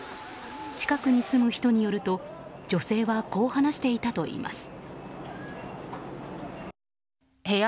近くに住む人によると女性はこう話していたといいます。